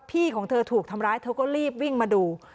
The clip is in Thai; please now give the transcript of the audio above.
ของเธอถูกทำร้ายเธอก็รีบวิ่งมาดู